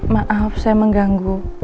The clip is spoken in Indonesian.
maaf saya mengganggu